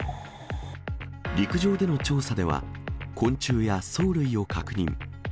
陸上での調査では、昆虫や藻類を確認。